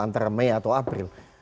antara mei atau april